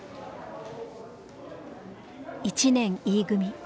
１年Ｅ組。